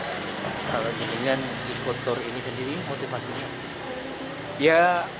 kalau ingin ikut tour ini sendiri motivasinya